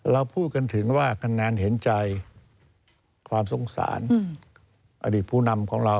เราพูดกันถึงว่าคะแนนเห็นใจความสงสารอดีตผู้นำของเรา